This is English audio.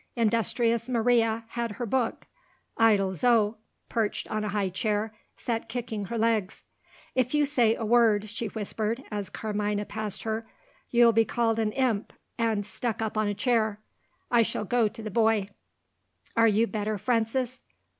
Industrious Maria had her book. Idle Zo, perched on a high chair, sat kicking her legs. "If you say a word," she whispered, as Carmina passed her, "you'll be called an Imp, and stuck up on a chair. I shall go to the boy." "Are you better, Frances?"